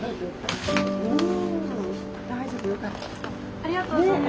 ありがとうございます。